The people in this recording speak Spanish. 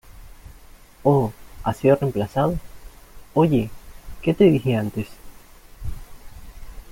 ¡ Oh! ¿ has sido reemplazado? ¿ oye, qué te dije antes ?